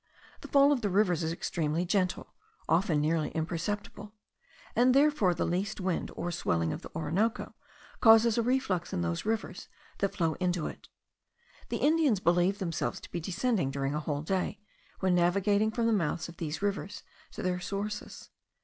The fall of the rivers is extremely gentle, often nearly imperceptible; and therefore the least wind, or the swelling of the Orinoco, causes a reflux in those rivers that flow into it. The Indians believe themselves to be descending during a whole day, when navigating from the mouths of these rivers to their sources.